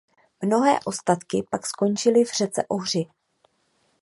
Mnohé ostatky pak skončily v řece Ohři.